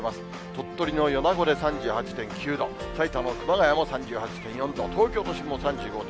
鳥取の米子で３８．９度、埼玉の熊谷も３８．４度、東京都心も３５．９度。